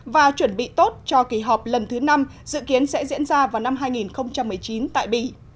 và chuẩn bị tốt cho kỳ họp lần thứ năm dự kiến sẽ diễn ra vào năm hai nghìn một mươi chín tại bỉ